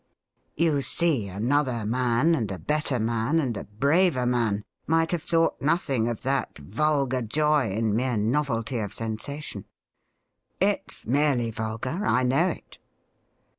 ' You see, another man and a better man and a braver man might have thought nothing of that vulgar joy in mere novelty of sensation. It's merely vulgar, I know it.